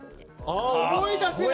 あ思い出せない？